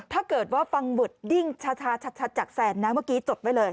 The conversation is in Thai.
ถ้าเกิดว่าฟังเวิร์ดดิ้งชาชัดจากแซนนะเมื่อกี้จดไว้เลย